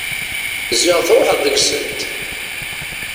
Ziɣ truḥeḍ deg-sent!